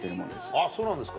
あっそうなんですか。